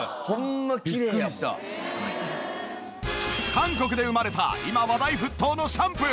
韓国で生まれた今話題沸騰のシャンプー！